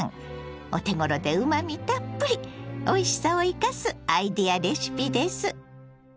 お手ごろでうまみたっぷりおいしさを生かすアイデアレシピです。